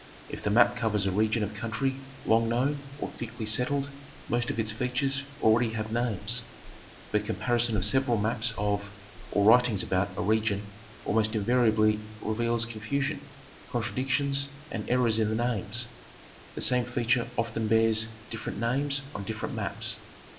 If the map covers a region of country long known or thickly settled most of its features already have names. But comparison of several maps of, or writings about, a region almost invariably reveals confusion, contradictions and errors in the names. The same feature often bears different names on different maps.